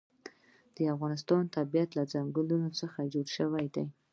د افغانستان طبیعت له ځنګلونه څخه جوړ شوی دی.